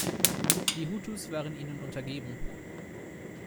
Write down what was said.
Die Hutus waren ihnen untergeben.